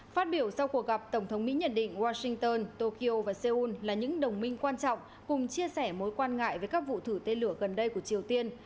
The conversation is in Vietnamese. phát biểu sau cuộc gặp tổng thống mỹ nhận định washington tokyo và seoul là những đồng minh quan trọng cùng chia sẻ mối quan ngại về các vụ thử tên lửa gần đây của triều tiên